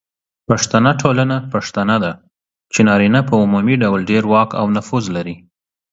پښتنه ټولنه پښتنه ده، چې نارینه په عمومي ډول ډیر واک او نفوذ لري.